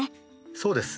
そうです。